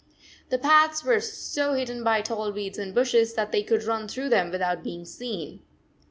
The paths were so hidden by tall weeds and bushes that they could run through them without being seen.